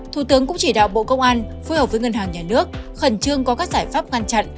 thủ tướng cũng chỉ đạo bộ công an phối hợp với ngân hàng nhà nước khẩn trương có các giải pháp ngăn chặn